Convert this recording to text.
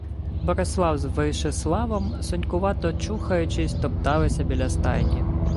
Борислав із Вишеславом, сонькувато чухаючись, топталися біля стайні.